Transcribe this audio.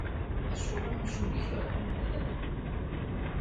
Acuɣer amcum ikreh Ameɣlal?